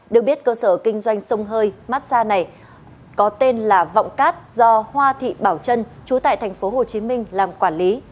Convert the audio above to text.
được biết cơ sở kinh doanh sông hơi massag này có tên là vọng cát do hoa thị bảo trân chú tại tp hcm làm quản lý